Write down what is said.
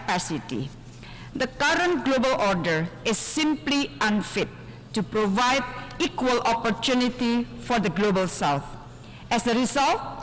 pertama keadaan global saat ini tidak berguna untuk memberikan kesempatan yang sama untuk kembali ke selatan global